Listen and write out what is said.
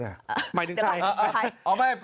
หมายถึงใคร